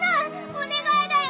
お願いだよ